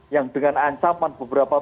yang dengan ancaman beberapa